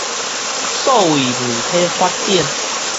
數位媒體發展